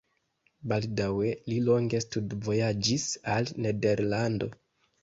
Baldaŭe li longe studvojaĝis al Nederlando.